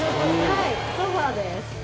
はいソファーです